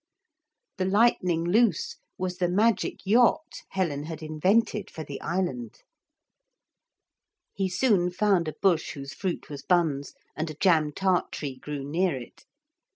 The Lightning Loose was the magic yacht Helen had invented for the island. He soon found a bush whose fruit was buns, and a jam tart tree grew near it.